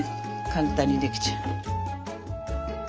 簡単にできちゃう。